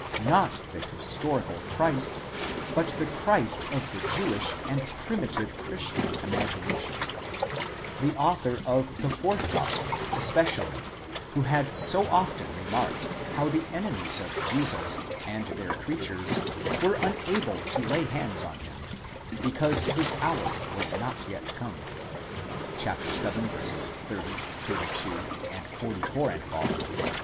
not the historical Christ, but the Christ of the Jewish and primitive Christian imagination, The author of the fourth gospel especially, who had so often remarked how the enemies of Jesus and their creatures were unable to lay hands on him, because his hour was not yet come (vii. 30, 32, 44 ff., viii.